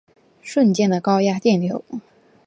瞬间的高压电流